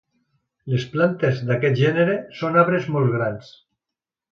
Les plantes d'aquest gènere són arbres molt grans.